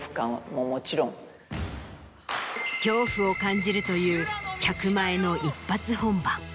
恐怖を感じるという客前の一発本番。